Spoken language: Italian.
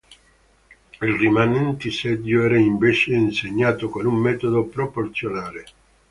Il rimanenti seggio era invece assegnato con un metodo proporzionale.